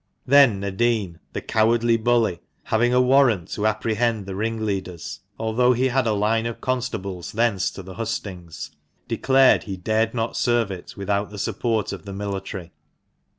Then Nadin, the cowardly bully, having a warrant to apprehend the ringleaders — although he had a line of constables thence to the hustings, — declared he dared not serve it without the support of the military.